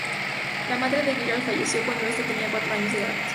La madre de Giral falleció cuando este tenía cuatro años de edad.